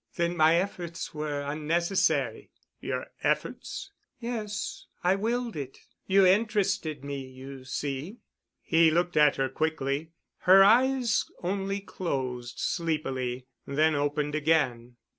"Then my efforts were unnecessary." "Your efforts?" "Yes, I willed it. You interested me, you see." He looked at her quickly. Her eyes only closed sleepily, then opened again.